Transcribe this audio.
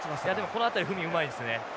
この辺り史うまいですね。